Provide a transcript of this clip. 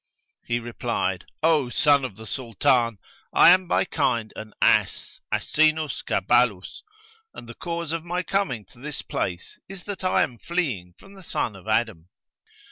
He replied, 'O son of the Sultan! I am by kind an ass— Asinus Caballus—and the cause of my coming to this place is that I am fleeing from the son of Adam.'